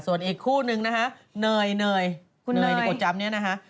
ส่วนอีกคู่หนึ่งเนยในกดจำนี้นะฮะ